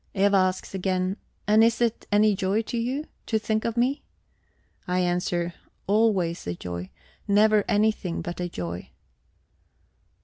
Eva asks again: 'And is it any joy to you, to think of me?' I answer: 'Always a joy, never anything but a joy.'